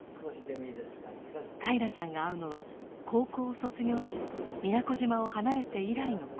平良さんが会うのは高校を卒業し宮古島を離れて以来のことでした。